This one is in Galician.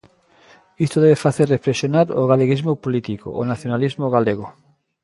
Isto debe facer reflexionar o galeguismo político, o nacionalismo galego.